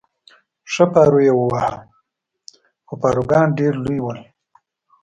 ښه پارو یې واهه، خو پاروګان ډېر لوی ول.